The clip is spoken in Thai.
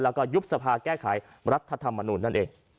แล้วก็ยุบสภาแก้ไขรัฐธรรมนูลนั่นเอง